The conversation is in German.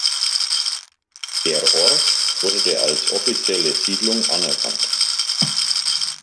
Der Ort wurde als offizielle Siedlung anerkannt.